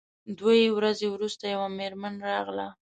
دوې ورځې وروسته یوه میرمن راغله.